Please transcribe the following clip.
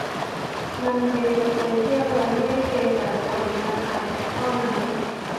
มันเดย์ สเปเชียล และไม่เพียงแต่ผลงานถ่ายแบบเท่านั้น